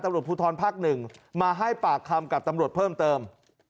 ตำรวจภูทรภาค๑มาให้ปากคำกับตำรวจเพิ่มเติม